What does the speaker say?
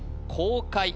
公開